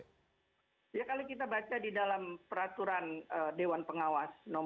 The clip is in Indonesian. ya kalau kita baca di dalam peraturan dewan pengawas